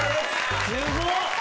すごっ！